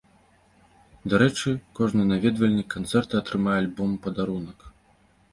Дарэчы, кожны наведвальнік канцэрта атрымае альбом у падарунак.